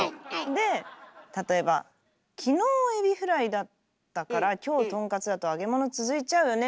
で例えば「昨日エビフライだったから今日豚カツだと揚げ物続いちゃうよね」